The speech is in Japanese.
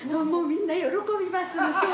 みんな喜びます。